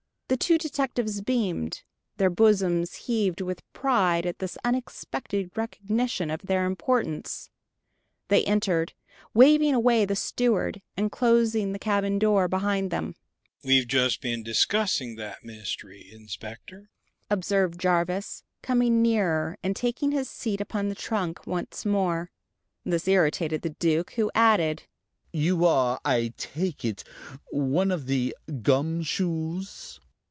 The two detectives beamed, their bosoms heaved with pride at this unexpected recognition of their importance. They entered, waving away the steward and closing the cabin door behind them. "We're just been discussing that mystery, Inspector!" observed Jarvis, coming nearer and taking his seat upon the trunk once more. This irritated the Duke, who added: "You are, I take it, one of the 'gum shoes'?"